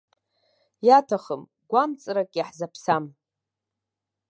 Иаҭахым, гәамҵрак иаҳзаԥсам.